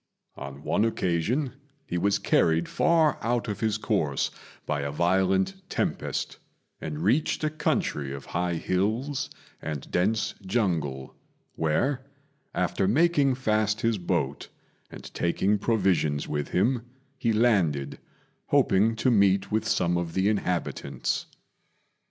On one occasion he was carried far out of his course by a violent tempest, and reached a country of high hills and dense jungle, where, after making fast his boat and taking provisions with him, he landed, hoping to meet with some of the inhabitants.